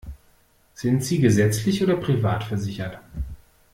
Sind Sie gesetzlich oder privat versichert?